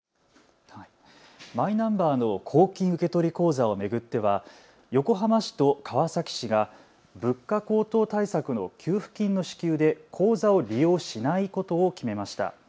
マイナンバーの公金受取口座を巡っては横浜市と川崎市が物価高騰対策の給付金の支給で口座を利用しないことを決めました。